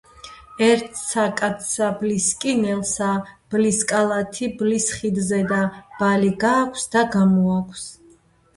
ერთსა კაცსა ბლისკინელსა ბლის კალათი ბლის ხიდზედა ბალი გააქვს და გამოაქვს.